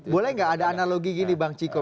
boleh nggak ada analogi gini bang ciko